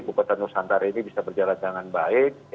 bukatan nusantara ini bisa berjalan dengan baik